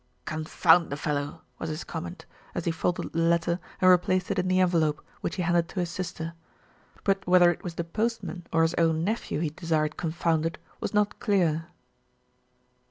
"Confound the fellow!" was his comment, as he folded the letter and replaced it in the envelope, which he handed to his sister; but whether it was the postman or his own nephew he desired confounded was not clear.